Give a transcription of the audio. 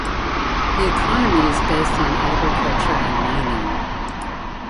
The economy is based on agriculture and mining.